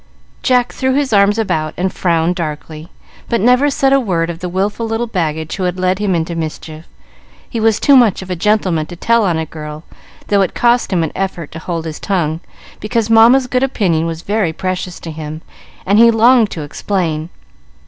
Jack threw his arms about and frowned darkly, but never said a word of the wilful little baggage who had led him into mischief; he was too much of a gentleman to tell on a girl, though it cost him an effort to hold his tongue, because Mamma's good opinion was very precious to him, and he longed to explain.